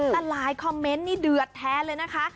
น่ารายคอมเมนต์เดือดแท้เลยนะคะ